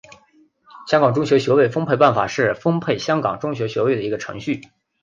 香港中学学位分配办法是分配香港中学学位的一个程序。